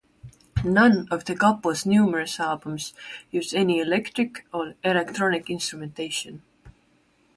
None of the couple's numerous albums use any electric or electronic instrumentation.